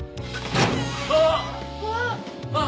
あっ！